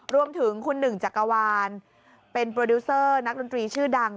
รวมถึงคุณหนึ่งจักรวาลเป็นโปรดิวเซอร์นักดนตรีชื่อดัง